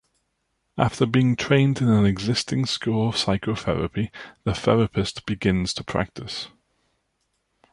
After being trained in an existing school of psychotherapy, the therapist begins to practice.